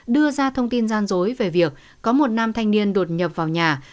đưa ra thông tin gian dối về việc có một nam thanh niên đột nhập vào nhà